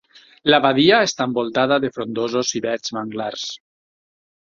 La badia està envoltada de frondosos i verds manglars.